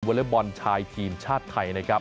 อเล็กบอลชายทีมชาติไทยนะครับ